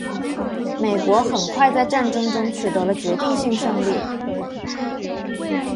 美国很快在战争中取得了决定性胜利。